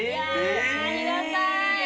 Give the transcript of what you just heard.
ありがたい。